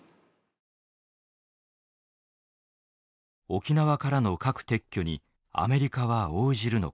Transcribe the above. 沖縄からの核撤去にアメリカは応じるのか。